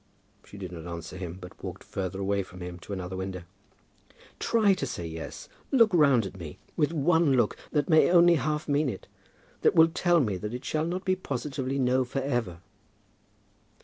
She did not answer him, but walked further away from him to another window. "Try to say yes. Look round at me with one look that may only half mean it; that may tell me that it shall not positively be no for ever."